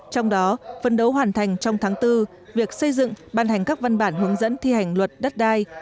trong đó phân đấu hoàn thành trong tháng bốn việc xây dựng ban hành các văn bản hướng dẫn thi hành luật đất đai